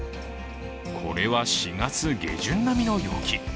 これは４月下旬並みの陽気。